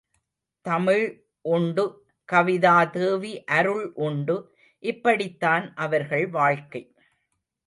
தமிழ் உண்டு கவிதாதேவி அருள் உண்டு இப்படித்தான் அவர்கள் வாழ்க்கை.